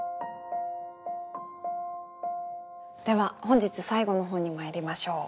では本日最後の本にまいりましょう。